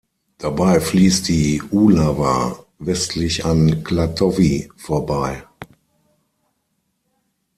Dabei fließt die Úhlava westlich an Klatovy vorbei.